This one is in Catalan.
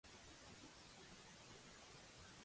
Serradura i cola, i vaja l'andola.